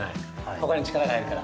ここに力が入るから。